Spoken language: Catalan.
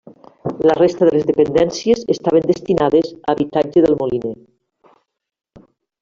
La resta de les dependències estaven destinades a habitatge del moliner.